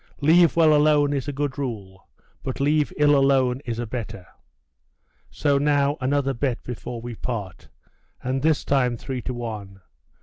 Leave well alone is a good rule, but leave ill alone is a better. So now another bet before we part, and this time three to one.